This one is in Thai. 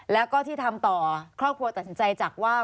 แล้วก็ที่ทำต่อครอบครัวตัดสินใจจักว่า